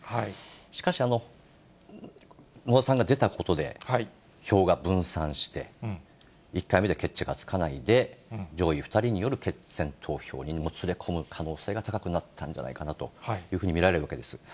しかし、野田さんが出たことで、票が分散して、１回目で決着がつかなくて、上位２人による決選投票にもつれ込む可能性が高くなったんじゃないかなと見られるわけです。